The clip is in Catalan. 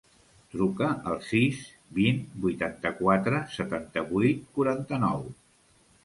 Truca al sis, vint, vuitanta-quatre, setanta-vuit, quaranta-nou.